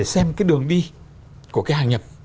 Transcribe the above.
cái quản lý của cái hàng nhập